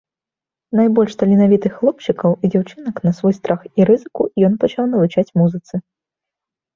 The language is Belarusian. Найбольш таленавітых хлопчыкаў і дзяўчынак на свой страх і рызыку ён пачаў навучаць музыцы.